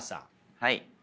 はい。